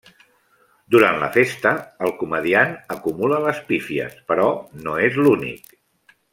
Durant la festa, el comediant acumula les pífies però no és l'únic.